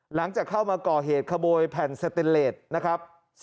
หลังจากเข้ามาก่อเหตุขโมยแผ่นสเตนเลสนะครับ